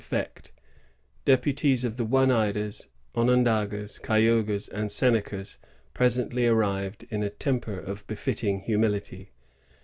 The tfuwt had its dieot: deputies of the Oneidas, Onondagas, Cayvgas, and Seneoas presently arrived in a temper ci befitting hnmility.